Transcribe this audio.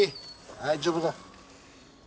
大丈夫だ。